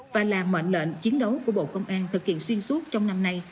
và là mệnh lệnh chiến đấu của bộ công an thực hiện xuyên suốt trong năm nay